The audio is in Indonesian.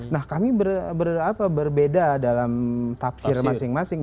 nah kami berbeda dalam tafsir masing masing